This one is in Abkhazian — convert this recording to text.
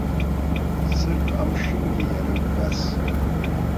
Сырп амшынгьы иара убас.